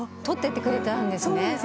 撮っててくれたんですね。